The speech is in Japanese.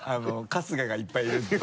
春日がいっぱいいるっていう。